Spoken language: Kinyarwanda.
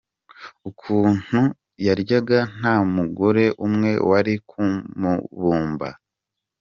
Ukuntu yaryaga nta mugore umwe wari kumubumba, ari cyo cyatumye ashaka abagore batandatu.